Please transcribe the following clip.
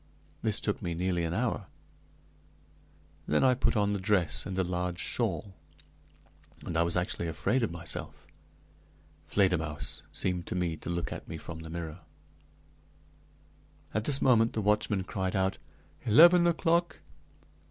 This took me nearly an hour. Then I put on the dress and a large shawl, and I was actually afraid of myself. Fledermausse seemed to me to look at me from the mirror. At this moment the watchman cried out, "Eleven o'clock!"